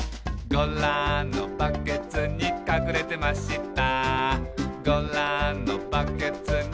「ゴラのバケツにかくれてました」